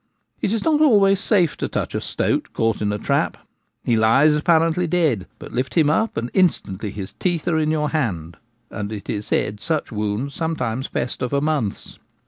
It is not always safe to touch a stoat caught in a trap ; he lies apparently dead, but lift him up, and 122 The Gamekeeper at Home. instantly his teeth are in your hand, and it is said such wounds sometimes fester for months.